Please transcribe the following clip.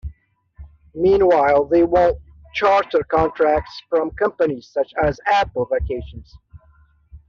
Meanwhile, they won charter contracts from companies such as Apple Vacations.